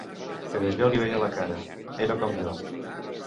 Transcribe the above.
Però jo li veia la cara, era com jo.